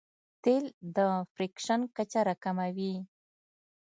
تېل د فریکشن کچه راکموي.